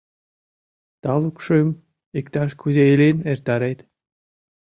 — Талукшым иктаж-кузе илен эртарет».